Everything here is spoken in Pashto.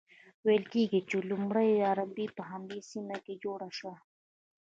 ویل کیږي چې لومړۍ اربۍ په همدې سیمه کې جوړه شوه.